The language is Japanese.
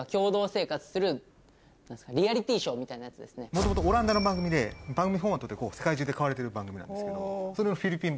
元々オランダの番組で番組フォーマットって世界中で買われてる番組なんですけどそれのフィリピン版。